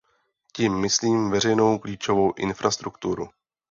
Tím myslím veřejnou klíčovou infrastrukturu.